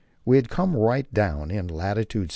We had come right down in lat. 69.